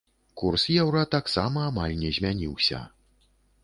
Курс еўра таксама амаль не змяніўся.